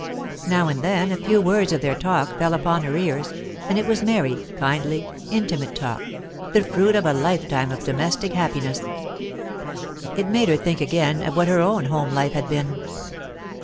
Now and then a few words of their talk fell upon her ears, and it was merry, kindly, intimate talk, the fruit of a lifetime of domestic happiness. It made her think again of what her own home life had been.